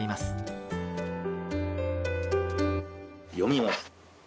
読みます。